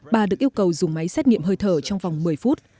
bà được yêu cầu dùng máy xét nghiệm hơi thở trong vòng một mươi phút